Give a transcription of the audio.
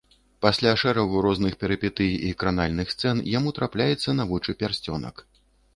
Пасля шэрагу розных перыпетый і кранальных сцэн яму трапляецца на вочы пярсцёнак.